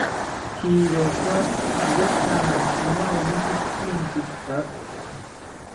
Iroka piyotantzi, maweni pipinkithate